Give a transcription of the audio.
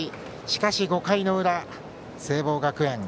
しかし５回の裏、聖望学園。